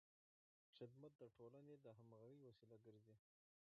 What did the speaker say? خدمت د ټولنې د همغږۍ وسیله ګرځي.